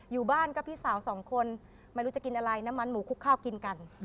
อยู่บ้านก็พี่สาวสองคนไม่รู้จะกินอะไรน้ำมันหมูคลุกข้าวกินกัน